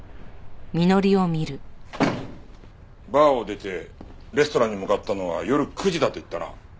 バーを出てレストランに向かったのは夜９時だと言ったな？